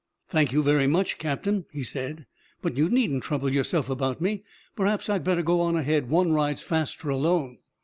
"Thank you very much, Captain," he said, "but you needn't trouble yourself about me. Perhaps I'd better go on ahead. One rides faster alone."